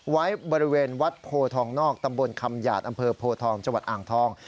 ไว้บริเวณวัดโพทองนอกตำบลคำหยาดอำเภอโพทองจังหวัดอ่างทอง